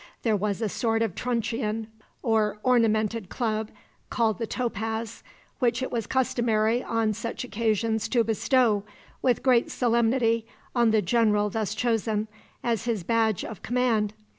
There was a sort of truncheon or ornamented club, called the topaz, which it was customary on such occasions to bestow, with great solemnity, on the general thus chosen, as his badge of command.